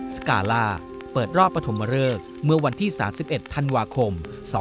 สกาล่าเปิดรอบปฐมเริกเมื่อวันที่๓๑ธันวาคม๒๕๖